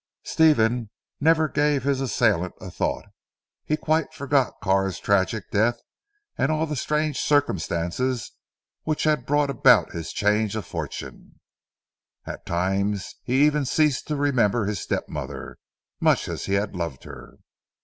Stephen never gave his assailant a thought. He quite forgot Carr's tragic death, and all the strange circumstances which had brought about his change of fortune. At times he even ceased to remember his step mother, much as he had loved her.